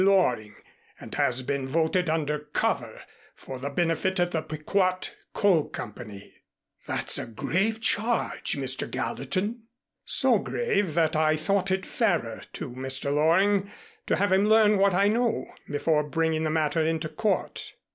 Loring, and has been voted under cover for the benefit of the Pequot Coal Company." "That's a grave charge, Mr. Gallatin." "So grave that I thought it fairer to Mr. Loring to have him learn what I know, before bringing the matter into court."